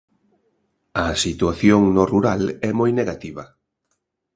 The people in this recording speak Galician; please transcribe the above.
A situación no rural é moi negativa.